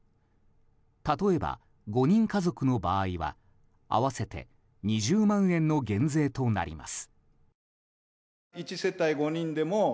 例えば、５人家族の場合は合わせて２０万円の減税となります。